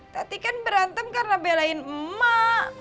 tapi kan berantem karena belain emak